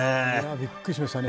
びっくりしましたね。